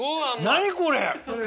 何これ！